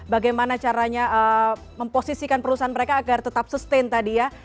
bagaimana caranya memposisikan perusahaan mereka agar tetap sustain tadi ya